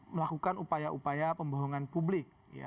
melakukan upaya upaya pembohongan publik